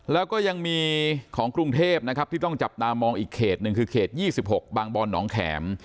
แล้วก็ยังมีของกรุงเทพนะครับที่ต้องจับตามองอีกเขตหนึ่งคือเขต๒๖บางบอนหนองแข็ม